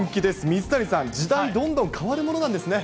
水谷さん、時代、どんどん変わるものなんですね。